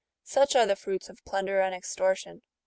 Such are the fruits of plunder and extortion